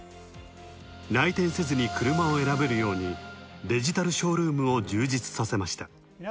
来店せずに車を選べるようにデジタルショールームを充実させました。